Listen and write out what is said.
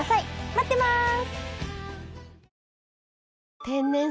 待ってます。